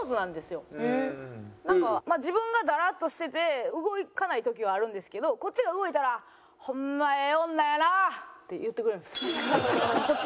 自分がだらっとしてて動かない時はあるんですけどこっちが動いたら「ホンマええ女やな！」って言ってくれるんですこっちに対して。